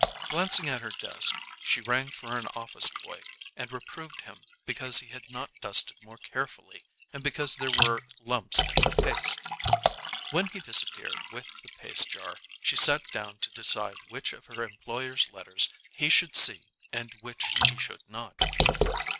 Glancing at her desk, she rang for an office boy, and reproved him because he had not dusted more carefully and because there were lumps in her paste. When he disappeared with the paste jar, she sat down to decide which of her employer's letters he should see and which he should not.